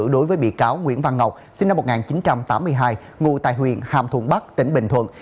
đối với bị cáo nguyễn văn ngọc sinh năm một nghìn chín trăm tám mươi hai ngụ tại huyện hàm thuận bắc tỉnh bình thuận